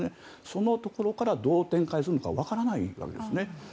そこのところからどう展開するかわからないわけですね。